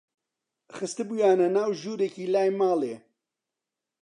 خستبوویانە ناو ژوورێکی لای ماڵێ